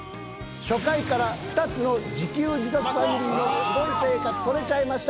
初回から２つの自給自足ファミリーのすごい生活撮れちゃいました！